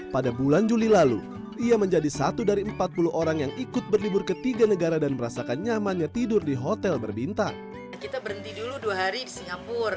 pada bulan juli lalu ia menjadi satu dari empat puluh orang yang ikut berlibur ke tiga negara dan merasakan nyamannya tidur di hotel berbintang